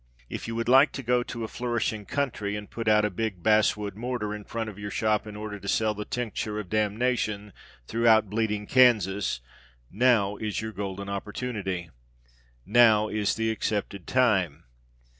If you would like to go to a flourishing country and put out a big basswood mortar in front of your shop in order to sell the tincture of damnation throughout bleeding Kansas, now is your golden opportunity. Now is the accepted time.